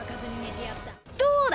どうだ！